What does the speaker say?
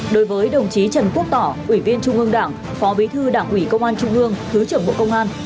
đối với đồng chí trần quốc tỏ ủy viên trung ương đảng phó bí thư đảng ủy công an trung ương thứ trưởng bộ công an